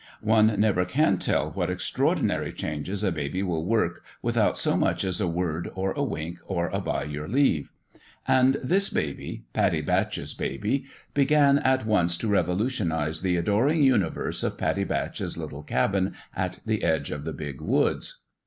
One never can tell what extraordinary changes a baby 1 68 A FATHER for The BABY 169 will work without so much as a word or a wink or a by your leave. And this baby Pattie Batch's baby began at once to revolutionize the adoring universe of Pattie Batch's little cabin at the edge of the big woods.